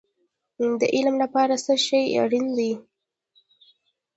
د علم لپاره څه شی اړین دی؟